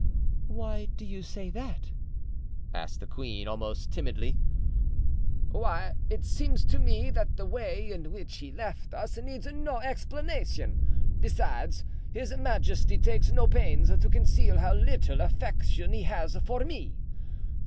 "Why do you say that?" asked the queen, almost timidly. "Why, it seems to me that the way in which he left us needs no explanation. Besides, his majesty takes no pains to conceal how little affection he has for me.